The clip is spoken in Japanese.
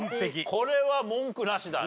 これは文句なしだね。